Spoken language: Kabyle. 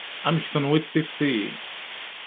Amek tenwiḍ tifeḍ-iyi?